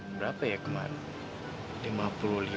berapa ya keman